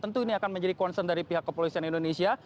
tentu ini akan menjadi concern dari pihak kepolisian indonesia